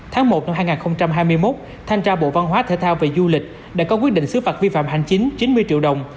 tháng một năm hai nghìn hai mươi một thanh tra bộ văn hóa thể thao và du lịch đã có quyết định xứ phạt vi phạm hành chính chín mươi triệu đồng